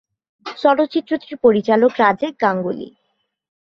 চলচ্চিত্রটির পরিচালক রাজেশ গাঙ্গুলি।